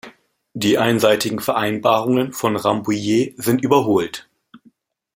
Die einseitigen Vereinbarungen von Rambouillet sind überholt.